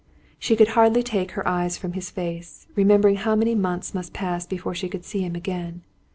She could hardly take her eyes from his face, remembering how many months must pass before she could see him again.